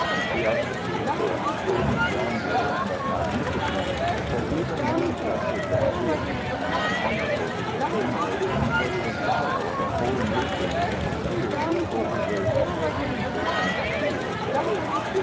The obsequies were of imposing grandeur and magnificence; but even more impressive than these, and more honorable to his memory, was the sorrow of a whole nation in tears over his untimely and cruel death.